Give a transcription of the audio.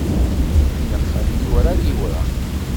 Inexxel liwṛa liwṛa.